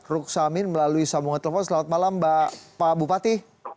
ruk samin melalui sambungan telepon selamat malam pak bupati